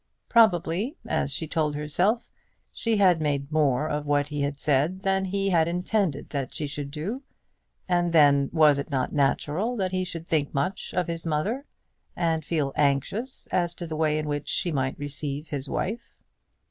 Probably, as she told herself, she had made more of what he had said than he had intended that she should do; and then, was it not natural that he should think much of his mother, and feel anxious as to the way in which she might receive his wife?